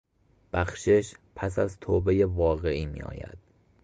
بخشش پس از توبهی واقعی میآید.